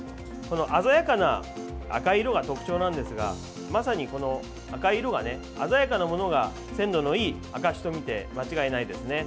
鮮やかな赤い色が特徴なんですがまさに、この赤い色が鮮やかなものが鮮度のいい証しとみて間違いないですね。